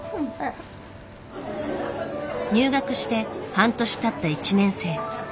入学して半年たった１年生。